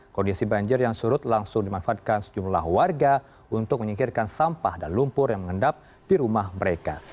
kondisi banjir yang surut langsung dimanfaatkan sejumlah warga untuk menyingkirkan sampah dan lumpur yang mengendap di rumah mereka